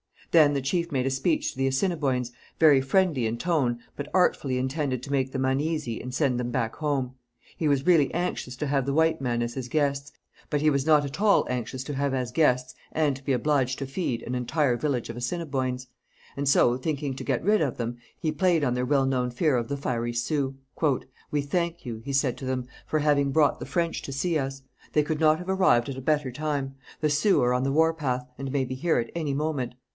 Then the chief made a speech to the Assiniboines, very friendly in tone, but artfully intended to make them uneasy and send them back home. He was really anxious to have the white men as his guests, but he was not at all anxious to have as guests and to be obliged to feed an entire village of Assiniboines; and so, thinking to get rid of them, he played on their well known fear of the fiery Sioux. 'We thank you,' he said to them, 'for having brought the French to see us. They could not have arrived at a better time. The Sioux are on the war path, and may be here at any moment.